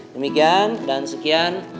demikian dan sekian